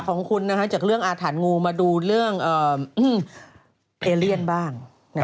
ของคุณจากเรื่องอาถรรพงูมาดูเรื่องเอเลียนบ้าง